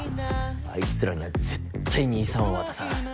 あいつらには絶対に遺産は渡さない。